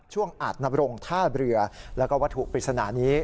อาจนบรงท่าเรือแล้วก็วัตถุปริศนานี้